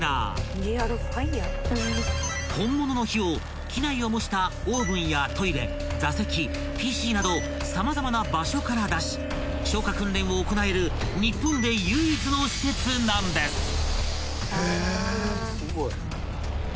［本物の火を機内を模したオーブンやトイレ座席ＰＣなど様々な場所から出し消火訓練を行える日本で唯一の施設なんです］